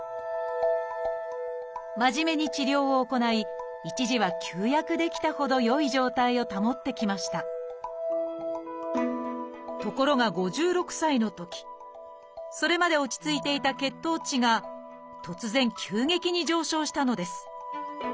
真面目に治療を行い一時は休薬できたほど良い状態を保ってきましたところが５６歳のときそれまで落ち着いていた血糖値が突然急激に上昇したのです。